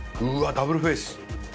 ダブルフェイス。